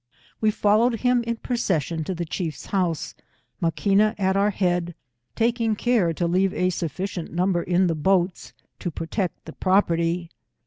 We followed him in procession to the chief's honse, Maquina at our head, taking care to leave a sufficient number in the boats to pro tect the property.